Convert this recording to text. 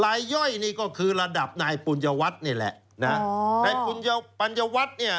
ลายย่อยนี่ก็คือระดับนายปุญญวัตรนี่แหละอ๋อนายปุญญวัตรเนี้ย